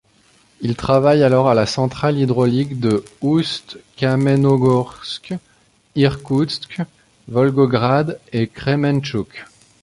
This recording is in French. Il travaille alors à la centrale hydraulique de Oust-Kamenogorsk, Irkoutsk, Volgograd, et Krementchouk.